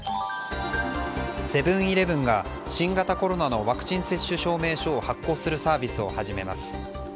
セブン‐イレブンが新型コロナのワクチン接種証明書を発行するサービスを始めます。